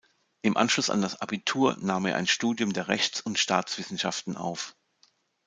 Im Anschluss an das Abitur nahm er ein Studium der Rechts- und Staatswissenschaften auf.